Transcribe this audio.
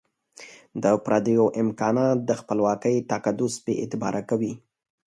د پردیو امکانات د خپلواکۍ تقدس بي اعتباره کوي.